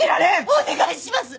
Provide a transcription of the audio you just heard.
お願いします！